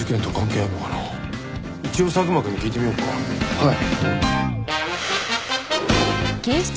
はい。